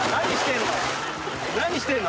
何してんの。